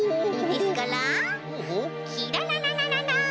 ですからキララララララン。